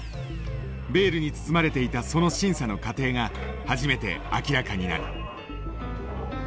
ベールに包まれていたその審査の過程が初めて明らかになる。